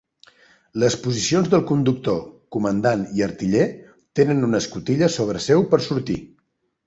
Les posicions del conductor, comandant i artiller tenen una escotilla sobre seu per sortir.